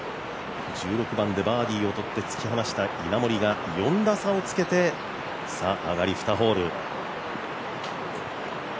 １６番でバーディーをとって突き放した稲森が４打差をつけて上がり２ホール。